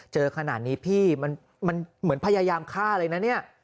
เจอขนาดนี้พี่มันเหมือนพยายามฆ่าเลยนะเนี่ย